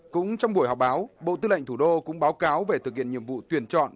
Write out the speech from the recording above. cũng trong buổi họp báo bộ tư lệnh thủ đô cũng báo cáo về thực hiện nhiệm vụ tuyển chọn